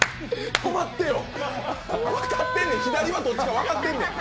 止まってよ、分かってんねん、左がどっちか分かってんねん。